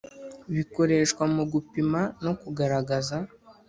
bikoreshwa mu gupima no kugaragaza